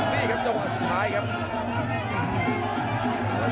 นี่ครับจังหวะสุดท้ายครับ